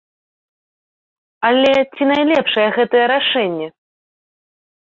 Але ці найлепшае гэта рашэнне?